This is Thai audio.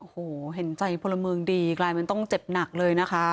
โอ้โหเห็นใจพลเมืองดีกลายเป็นต้องเจ็บหนักเลยนะคะ